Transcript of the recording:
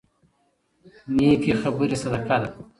نيکې خبرې صدقه ده.